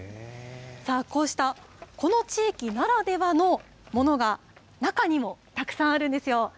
さあ、こうしたこの地域ならではのものが、中にもたくさんあるんですよ。